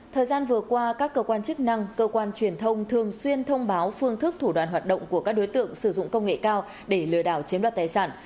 thời gian vừa qua các cơ quan chức năng cơ quan truyền thông thường xuyên thông báo phương thức thủ đoàn hoạt động của các đối tượng sử dụng công nghệ cao để lừa đảo chiếm đoạt tài sản